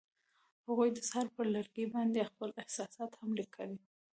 هغوی د سهار پر لرګي باندې خپل احساسات هم لیکل.